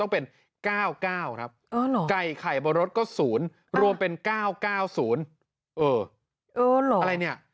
โปรดติดตามต่อไป